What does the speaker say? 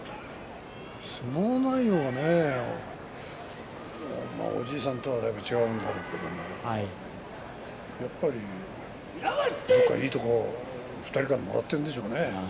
相撲内容はねまあ、おじいさんとはだいぶ違うんだけれどもやっぱりどこか、いいところ２人からもらっているんでしょうね。